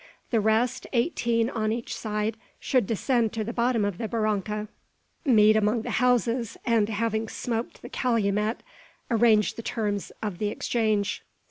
The rest, eighteen on each side, should descend to the bottom of the barranca, meet among the houses, and, having smoked the calumet, arrange the terms of the exchange.